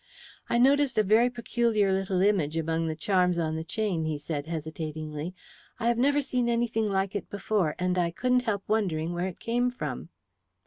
"I noticed a very peculiar little image among the charms on the chain," he said hesitatingly. "I have never seen anything like it before, and I couldn't help wondering where it came from."